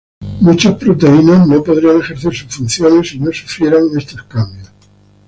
Muchas proteínas no podrían ejercer sus funciones si no sufrieran estos cambios.